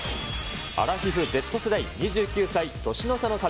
アラフィフ・Ｚ世代、２９歳年の差の旅。